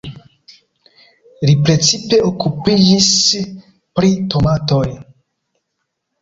Li precipe okupiĝis pri tomatoj.